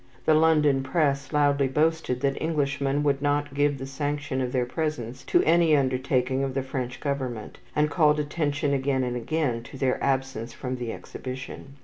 The London press loudly boasted that Englishmen would not give the sanction of their presence to any undertaking of the French Government, and called attention again and again to their absence from the exhibition.